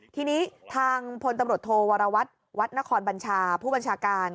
ทีนี้ทางพลตำรวจโทวรวัตรวัดนครบัญชาผู้บัญชาการ